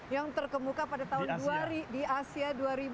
yang terkemuka pada tahun di asia dua ribu dua puluh